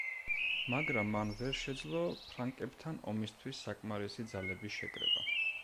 მაგრამ მან ვერ შეძლო ფრანკებთან ომისთვის საკმარისი ძალების შეკრება.